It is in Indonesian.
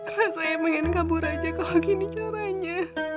rasanya pengen kabur aja kalo gini caranya